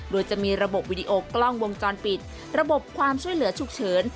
โดยจะมีระบบวิดีโอกล้องวงจรปิดระบบความช่วยเหลือฉุกเฉิน